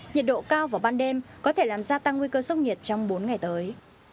nhiệt độ cao vào ban đêm có thể làm gia tăng nguy cơ sốc nhiệt trong bốn ngày tới